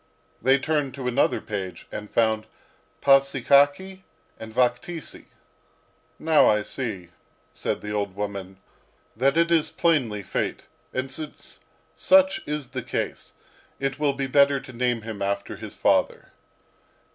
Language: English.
They turned to another page and found Pavsikakhy and Vakhtisy. "Now I see," said the old woman, "that it is plainly fate. And since such is the case, it will be better to name him after his father.